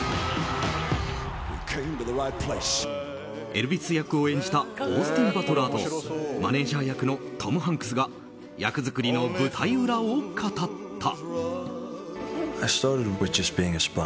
エルヴィス役を演じたオースティン・バトラーとマネジャー役のトム・ハンクスが役作りの舞台裏を語った。